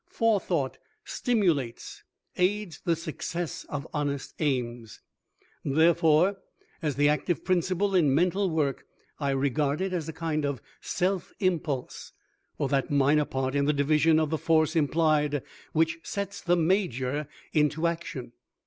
"Forethought stimulates, aids the success of honest aims." Therefore, as the active principle in mental work, I regard it as a kind of self impulse, or that minor part in the division of the force employed which sets the major into action.